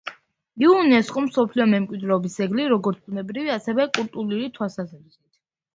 იუნესკოს მსოფლიო მემკვიდრეობის ძეგლი, როგორც ბუნებრივი, ასევე კულტურული თვალსაზრისით.